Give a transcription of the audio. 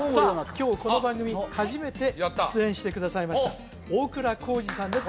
今日この番組初めて出演してくださいました大倉孝二さんです